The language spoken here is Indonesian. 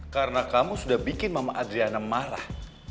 karena kamu sudah bikin mama adriana marah